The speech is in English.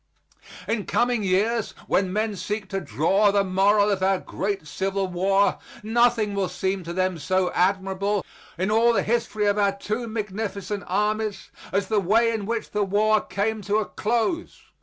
In coming years when men seek to draw the moral of our great Civil War, nothing will seem to them so admirable in all the history of our two magnificent armies as the way in which the war came to a close.